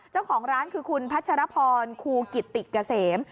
เจ้าของร้านคือคุณพัชรพรครูกิตติกเกษม